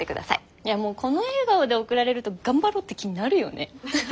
いやもうこの笑顔で送られると頑張ろうって気になるよね。